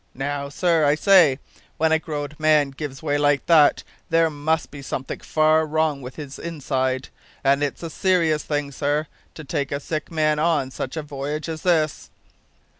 Now, sir, I say, when a grow'd up man gives way like that, there must be some think far wrong with his inside. And it's a serious thing, sir, to take a sick man on such a voyage as this."